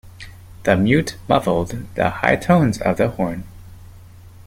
The mute muffled the high tones of the horn.